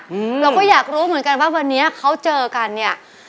เราก็อยากรู้เหมือนกันว่าวันนี้เขาเจอกันเนี่ย